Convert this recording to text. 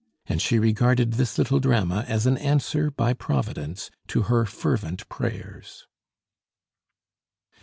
And she regarded this little drama as an answer by Providence to her fervent prayers.